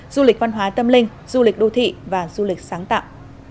du lịch văn hóa tâm linh du lịch đô thị và du lịch sáng tạo